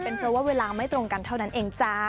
เป็นเพราะว่าเวลาไม่ตรงกันเท่านั้นเองจ้า